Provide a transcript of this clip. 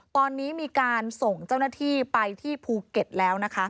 ตอนนี้มีการส่งเจ้าหน้าที่ไปที่ภูเก็ตแล้วนะคะ